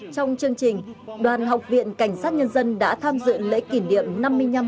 trong chương trình đoàn học viện cảnh sát nhân dân đã tham dự lễ kỷ niệm năm mươi năm